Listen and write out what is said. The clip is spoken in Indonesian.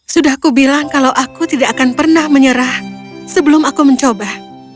sudah aku bilang kalau aku tidak akan pernah menyerah sebelum aku mencoba